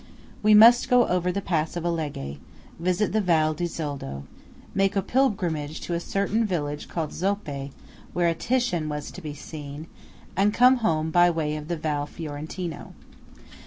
We must go over the Pass of Alleghe; visit the Val di Zoldo; make a pilgrimage to a certain village called Zoppé, where a Titian was to be seen, and come home by way of the Val Fiorentino.